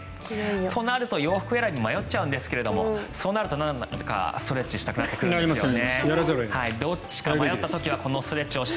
となると洋服選び迷っちゃうんですがそうなるとなんだかストレッチをしたくなってきますね。